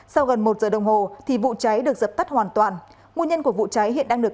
sau gần một giờ đồng hồ vụ cháy được dập tắt hoàn toàn nguồn nhân của vụ cháy hiện đang được